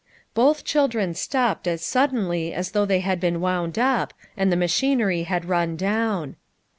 Both children stopped as suddenly as though they had been wound up, and the machinery had run down.